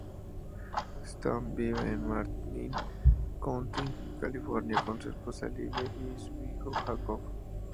Stone vive en Marin County, California con su esposa Livia y su hijo Jacob.